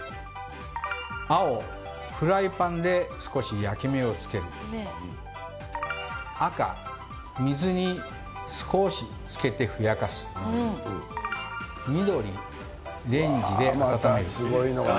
青・フライパンで少し焼き目をつける赤・水に少しつけて、ふやかす緑・レンジで温める。